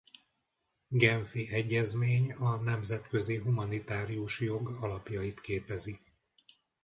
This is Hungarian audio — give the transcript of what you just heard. Genfi Egyezmény a Nemzetközi Humanitárius Jog alapjait képezi.